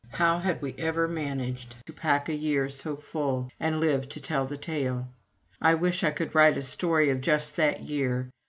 How had we ever managed to pack a year so full, and live to tell the tale? I wish I could write a story of just that year.